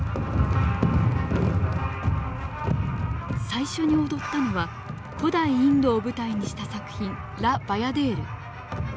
最初に踊ったのは古代インドを舞台にした作品「ラ・バヤデール」。